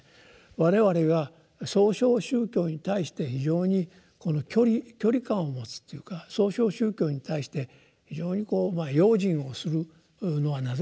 我々が「創唱宗教」に対して非常に距離感を持つというか「創唱宗教」に対して非常にこう用心をするのはなぜなのかという。